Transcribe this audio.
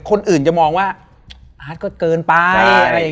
คนอื่นจะมองว่าอาจก็เกินไป